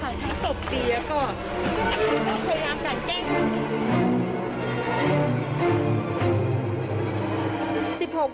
มัวเมียวอร่อยมาก